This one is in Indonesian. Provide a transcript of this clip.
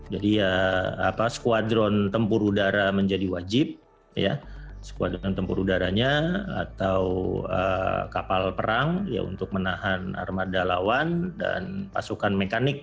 jadi ya apa skuadron tempur udara menjadi wajib skuadron tempur udaranya atau kapal perang untuk menahan armada lawan dan pasukan mekanik